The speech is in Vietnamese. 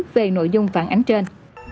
về nội dung phản ánh trên